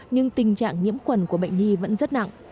nhưng tình trạng nhiễm khuẩn của bệnh nhi vẫn rất nặng